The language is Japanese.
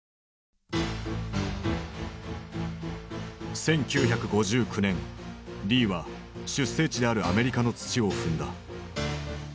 １９５９年リーは出生地であるアメリカの土を踏んだ。